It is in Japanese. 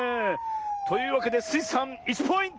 というわけでスイさん１ポイント！